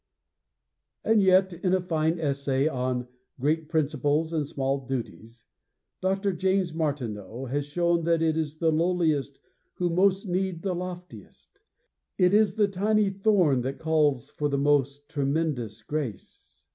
And yet, in a fine essay on Great Principles and Small Duties, Dr. James Martineau has shown that it is the lowliest who most need the loftiest; it is the tiny thorn that calls for the most tremendous grace.